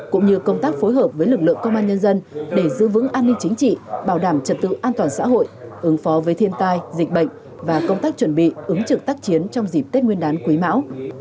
cũng như công tác phối hợp với lực lượng công an nhân dân để giữ vững an ninh chính trị bảo đảm trật tự an toàn xã hội ứng phó với thiên tai dịch bệnh và công tác chuẩn bị ứng trực tác chiến trong dịp tết nguyên đán quý mão